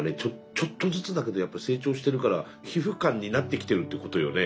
ちょっとずつだけどやっぱり成長してるから皮膚感になってきてるということよね。